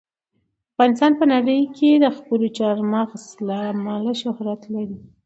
افغانستان په نړۍ کې د خپلو چار مغز له امله شهرت لري.